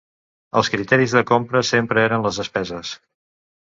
Els criteris de compra sempre eren les despeses.